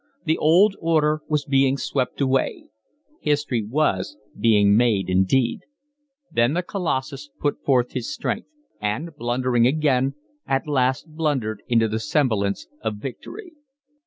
The old order was being swept away: history was being made indeed. Then the colossus put forth his strength, and, blundering again, at last blundered into the semblance of victory.